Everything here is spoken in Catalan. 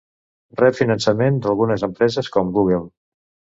Rep finançament d'algunes empreses com Google.